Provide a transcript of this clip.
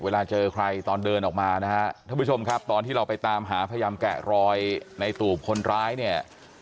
เวลาเจอใครตอนเดินออกมานะฮะท่านผู้ชมครับตอนที่เราไปตามหาพยายามแกะรอยในตูบคนร้ายเนี่ย